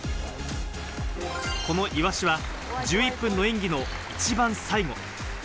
このイワシは１１分の演技の一番最後。